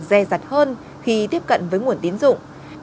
dè dặt hơn khi tiếp cận với nguồn tiến dụng